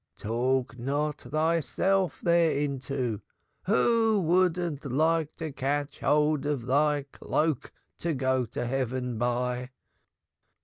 "Talk not thyself thereinto. Who wouldn't like to catch hold of thy cloak to go to heaven by?